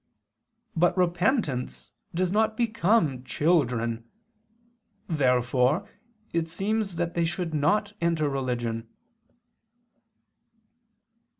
But repentance does not become children. Therefore it seems that they should not enter religion.